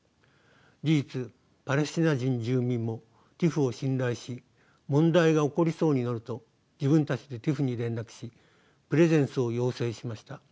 事実パレスチナ人住民もＴＩＰＨを信頼し問題が起こりそうになると自分たちでＴＩＰＨに連絡しプレゼンスを要請しました。